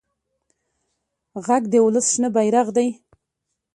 غږ د ولس شنه بېرغ دی